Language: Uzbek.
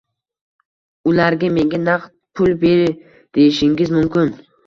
Ularga menga naqd pul ber deyishingiz mumkin